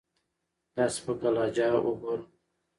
دا سپکه لهجه اوګورم